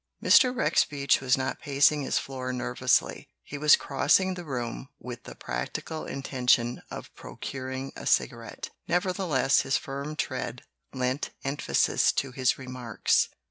Mr. Rex Beach was not pacing his floor ner vously; he was crossing the room with the practi cal intention of procuring a cigarette. Neverthe less, his firm tread lent emphasis to his remarks.